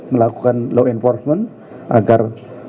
melakukan law enforcement agar